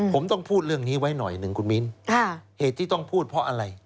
ผมต้องพูดเรื่องนี้ไว้หน่อยหนึ่งคุณมิ้นเหตุที่ต้องพูดเพราะอะไร